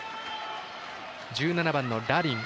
１７番のラリン。